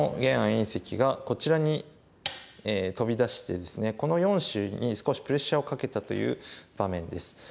因碩がこちらにトビ出してですねこちらの４子に少しプレッシャーをかけたという場面です。